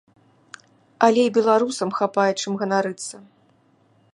Але і беларусам хапае чым ганарыцца.